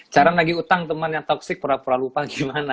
cara nagih utang teman yang toxic pura pura lupa gimana